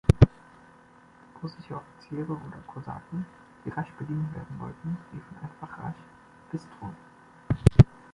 Russische Offiziere oder Kosaken, die rasch bedient werden wollten, riefen einfach rasch „bystro“.